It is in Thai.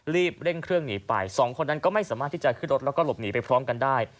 รีบเร่งเครื่องหนีไปสองคนนั้นก็ไม่สามารถที่จะขึ้นรถแล้วก็หลบหนีไปพร้อมกันได้